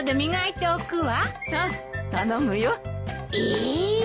え。